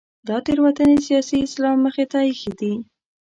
دا تېروتنې سیاسي اسلام مخې ته اېښې دي.